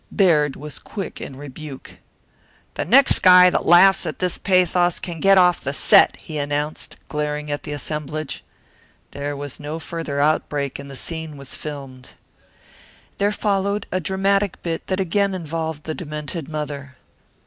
Baird was quick in rebuke. "The next guy that laughs at this pathos can get off the set," he announced, glaring at the assemblage. There was no further outbreak and the scene was filmed. There followed a dramatic bit that again involved the demented mother.